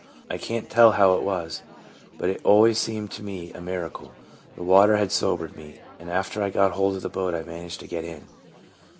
I can't tell how it was, but it always seemed to me a miracle. The water had sobered me, and after I got hold of the boat I managed to get in.